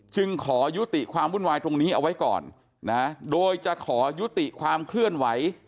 ขอยุติความวุ่นวายตรงนี้เอาไว้ก่อนนะโดยจะขอยุติความเคลื่อนไหว